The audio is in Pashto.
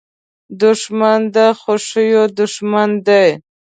دښمن د خوښیو دوښمن دی